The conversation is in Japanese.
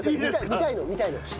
見たいの見たいの。